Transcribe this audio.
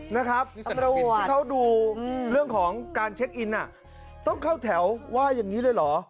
นะครับตำรวจที่เขาดูเรื่องของการเช็คอินต้องเข้าแถวว่าอย่างนี้เลยเหรอ